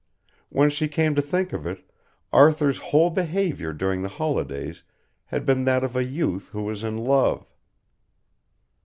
When she came to think of it Arthur's whole behaviour during the holidays had been that of a youth who was in love.